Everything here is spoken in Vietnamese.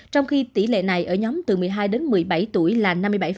trong khi tỷ lệ này ở nhóm từ một mươi hai đến một mươi bảy tuổi là năm mươi bảy